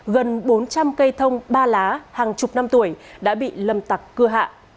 gần bốn trăm linh cây thông ba lá hàng chục năm tuổi đã bị lâm tặc cưa hạ